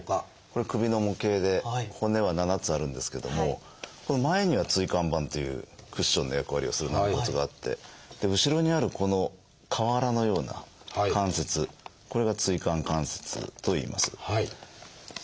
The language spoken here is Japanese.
これ首の模型で骨は７つあるんですけどもこの前には「椎間板」というクッションの役割をする軟骨があって後ろにあるこの瓦のような関節これが「椎間関節」といいます。